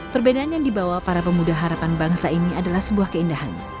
perbedaan yang dibawa para pemuda harapan bangsa ini adalah sebuah keindahan